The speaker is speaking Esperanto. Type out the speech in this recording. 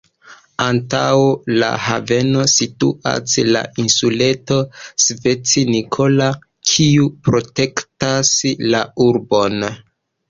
Antaŭ la haveno situas la insuleto "Sveti Nikola", kiu protektas la urbon.